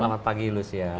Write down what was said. selamat pagi lucia